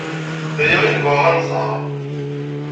D aya ay nebɣa ad nẓer.